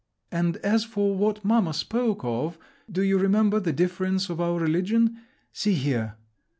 "And as for what mamma spoke of, do you remember, the difference of our religion—see here!